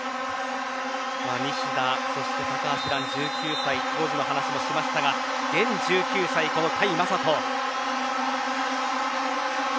西田、そして高橋藍１９歳コーチも話をしていましたが現１９歳、甲斐優斗。